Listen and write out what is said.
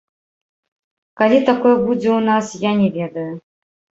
Калі такое будзе ў нас, я не ведаю.